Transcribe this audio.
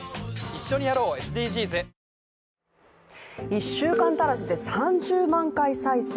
１週間足らずで３０万回再生。